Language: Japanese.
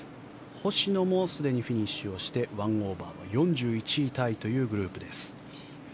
星野もすでにフィニッシュして１オーバーは４１位タイというスコアです。